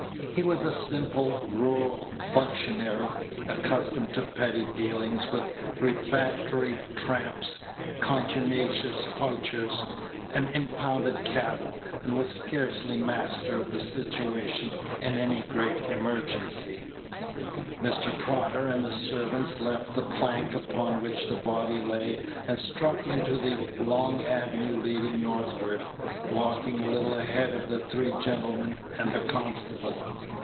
He was a simple rural functionary, accustomed to petty dealings with refractory tramps, contumacious poachers, and impounded cattle, and was scarcely master of the situation in any great emergency. Mr. Prodder and the servants lifted the plank upon which the body lay, and struck into the long avenue leading northward, walking a little ahead of the three gentlemen and the constable.